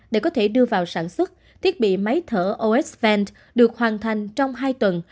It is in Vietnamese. để có thể đưa vào sản xuất thiết bị máy thở osvent được hoàn thành trong hai tuần